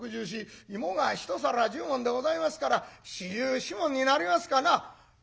芋が一皿１０文でございますから４４文になりますかな」。